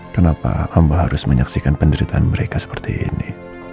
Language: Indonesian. kenapa hamba harus menyaksikan penderitaan mereka seperti ini